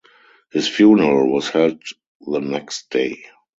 His funeral was held the next day.